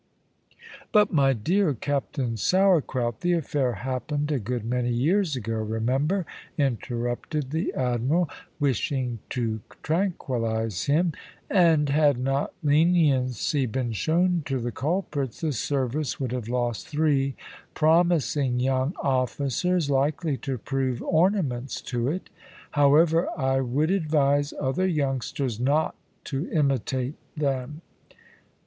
"But, my dear Captain Sourcrout, the affair happened a good many years ago, remember," interrupted the Admiral, wishing to tranquillise him, "and had not leniency been shown to the culprits, the service would have lost three promising young officers likely to prove ornaments to it. However, I would advise other youngsters not to imitate them.